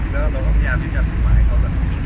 แล้วเราก็อยากไปจัดผู้หมาให้เขาแบบ